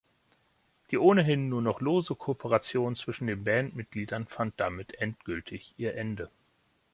Die ohnehin nur noch lose Kooperation zwischen den Bandmitgliedern fand damit endgültig ihr Ende.